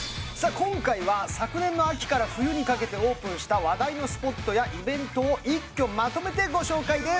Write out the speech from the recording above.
今回は昨年の秋から冬にかけてオープンした話題のスポットやイベントを一挙まとめてご紹介です！